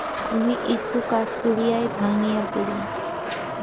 আমরা একটু কাজ করিয়াই ভাঙিয়া পড়ি।